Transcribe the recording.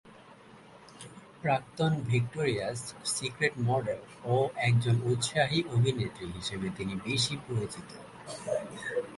প্রাক্তন Victoria's Secret model ও একজন উৎসাহী অভিনেত্রী হিসেবে তিনি বেশি পরিচিত।